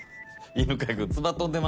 犬飼君つば飛んでます。